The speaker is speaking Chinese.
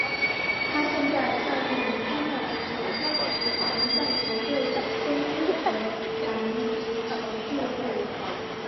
他现在效力于丹麦足球超级联赛球队中日德兰足球俱乐部。